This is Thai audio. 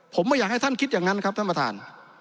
ผมไม่อยากให้ท่านคิดอย่างนั้นครับท่านประธาน